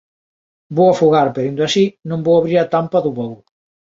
Vou afogar pero aínda así, non vou abrir a tampa do baúl.